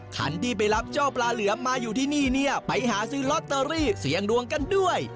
คันที่ไปรับเจ้าปลาเหลือมมาอยู่ที่นี่เนี่ยไปหาซื้อลอตเตอรี่เสียงดวงกันด้วย